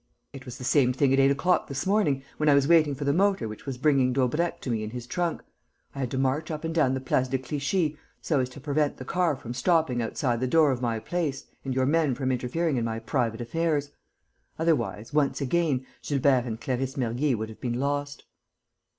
"It was the same thing at eight o'clock this morning, when I was waiting for the motor which was bringing Daubrecq to me in his trunk: I had to march up and down the Place de Clichy, so as to prevent the car from stopping outside the door of my place and your men from interfering in my private affairs. Otherwise, once again, Gilbert and Clarisse Mergy would have been lost."